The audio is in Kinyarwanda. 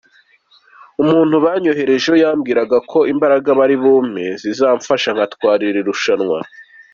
Umuntu yanyoherejeho yambwiraga ko imbaraga bari bumpe zizamfasha ngatwara iri rushanwa.